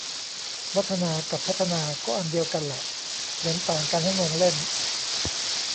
วัฒนา กับพัฒนา ก็อันเดียวกันแหละ เขียนต่างกันให้งงเล่น